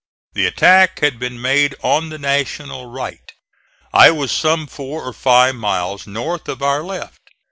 The attack had been made on the National right. I was some four or five miles north of our left.